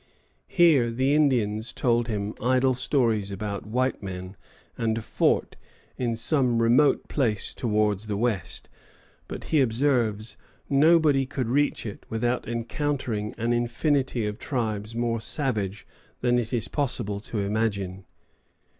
Here the Indians told him idle stories about white men and a fort in some remote place towards the west; but, he observes, "nobody could reach it without encountering an infinity of tribes more savage than it is possible to imagine."